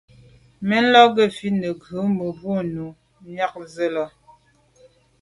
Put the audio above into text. Mɛ́n la' gə̀ fít nə̀ bə́ gə̀brǒ nû myɑ̂k zə̀ lá'.